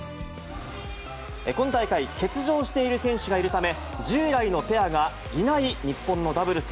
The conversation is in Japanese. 今大会、欠場している選手がいるため、従来のペアがいない日本のダブルス。